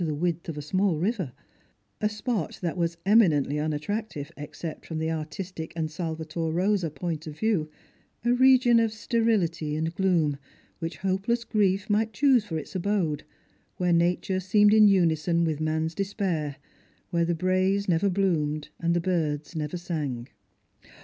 305 the •width of a small river — a spot that was eminently un attractive except from the artistic and Salvator Rosa point of view — a region of sterility and gloom, which hopeless grief might choose for its abode, where nature seemed in unison with man's despair, where the braes never bloomed and the birds never sang.